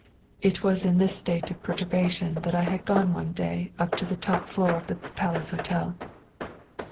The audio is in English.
It was in this state of perturbation that I had gone one day up to the top floor of the Palace Hotel.